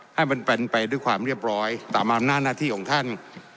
ให้มันเป็นไปด้วยความเรียบร้อยตามอำนาจหน้าที่ของท่าน